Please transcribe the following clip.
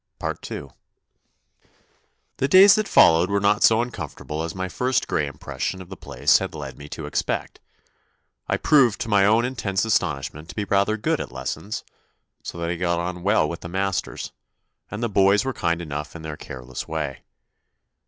II The days that followed were not so uncom fortable as my first grey impression of the place had led me to expect. I proved to my own intense astonishment to be rather good at lessons, so that I got on well with the masters, and the boys were kind enough in their care less way.